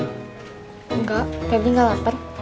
enggak pepri tidak lapar